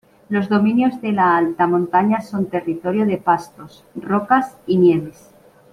Los dominios de la alta montaña son territorio de pastos, rocas y nieves.